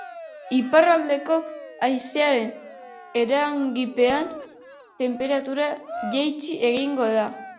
Iparraldeko haizearen eraginpean, tenperatura jaitsi egingo da.